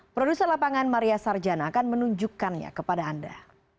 produser lapangan maria sarjana akan menunjukkannya kepada anda